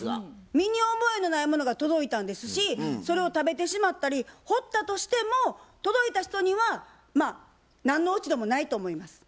身に覚えのないものが届いたんですしそれを食べてしまったりほったとしても届いた人にはまあ何の落ち度もないと思います。